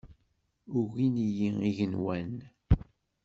Ugin-iyi yigenwan.